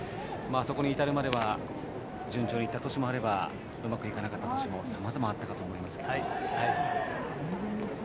そこに至るまでは順調に行った年もあればうまくいかなかった年などさまざまあったと思いますが。